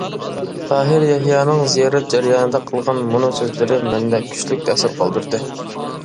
تاھىر يەھيانىڭ زىيارەت جەريانىدا قىلغان مۇنۇ سۆزلىرى مەندە كۈچلۈك تەسىر قالدۇردى.